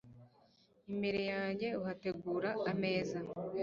Imbere yanjye uhategura ameza